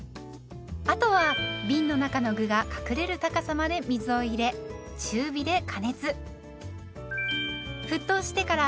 あとはびんの中の具が隠れる高さまで水を入れ中火で加熱。